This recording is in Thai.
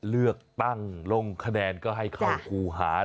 เลือกตั้งลงคะแนนก็ให้เข้าครูหา